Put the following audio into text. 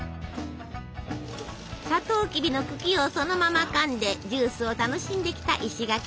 さとうきびの茎をそのままかんでジュースを楽しんできた石垣島。